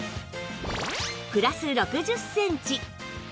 プラス６０センチ